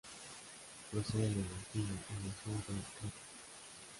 Procede de Gortina, en el sur de Creta.